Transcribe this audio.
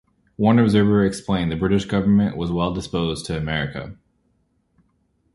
As one observer explained, the British government was well disposed to America.